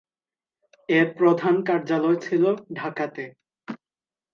এর প্রধান কার্যালয় ছিল ঢাকাতে।